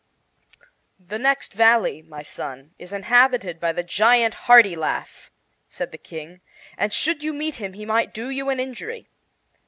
"The next valley, my son, is inhabited by the giant Hartilaf," said the King, "and should you meet him he might do you an injury."